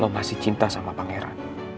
masih cinta sama pangeran